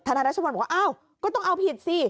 ทำไงครับตอกเป็นว่าก็ต้องเอาผิดสิ